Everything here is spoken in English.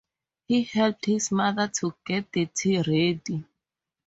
He helped his mother to get the tea ready.